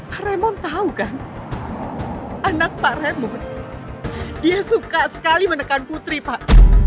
pak raymond tau kan anak pak raymond dia suka sekali menekan putri pak